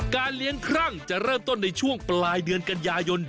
เลี้ยงครั่งจะเริ่มต้นในช่วงปลายเดือนกันยายน